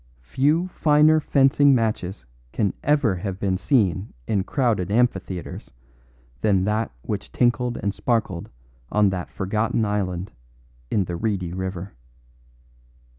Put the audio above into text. Few finer fencing matches can ever have been seen in crowded amphitheatres than that which tinkled and sparkled on that forgotten island in the reedy river.